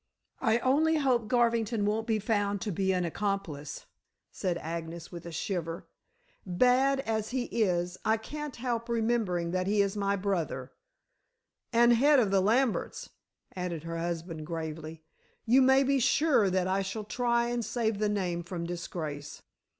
"I only hope Garvington won't be found to be an accomplice," said Agnes, with a shiver. "Bad as he is, I can't help remembering that he is my brother." "And the head of the Lamberts," added her husband gravely. "You may be sure that I shall try and save the name from disgrace."